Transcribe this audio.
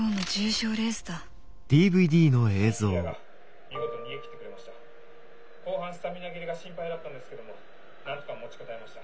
後半スタミナ切れが心配だったんですけどもなんとか持ちこたえました。